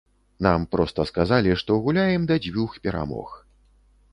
Нам проста сказалі, што гуляем да дзвюх перамог.